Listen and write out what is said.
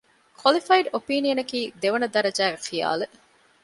ކޮލިފައިޑް އޮޕީނިއަނަކީ ދެވަނަ ދަރަޖައިގެ ޚިޔާލެއް